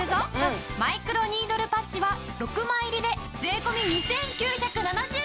マイクロニードルパッチは６枚入りで税込２９７０円。